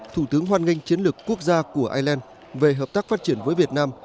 thủ tướng hoan nghênh chiến lược quốc gia của ireland về hợp tác phát triển với việt nam